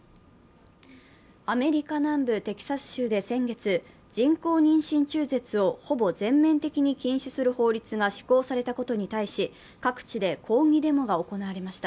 アメリカ南部テキサス州で先月、人工妊娠中絶をほぼ全面的に禁止する法律が施行されたことに対し、各地で抗議デモが行われました。